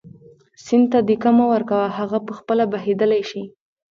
سیند ته دیکه مه ورکوه هغه په خپله بهېدلی شي.